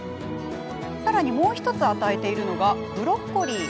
さらにもう１つ与えているのがなんとブロッコリー。